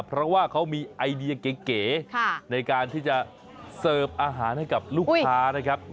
เพราะว่าเขามีไอเดียเก๋ในการที่จะเสิร์ฟอาหารให้กับลูกค้านะครับ